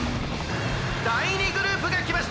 だい２グループがきました！